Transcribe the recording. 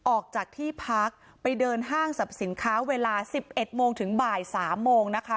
ออกจากที่พักไปเดินห้างสับสินค้าเวลาสิบเอ็ดโมงถึงบ่ายสามโมงนะคะ